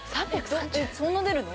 そんな出るの？